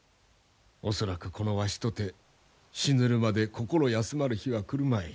恐らくこのわしとて死ぬるまで心休まる日は来るまい。